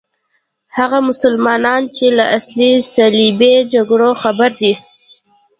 هغه مسلمانان چې له صلیبي جګړو خبر دي.